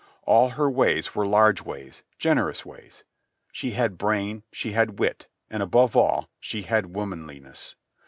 All her ways were large ways, generous ways. She had brain, she had wit, and, above all, she had womanliness.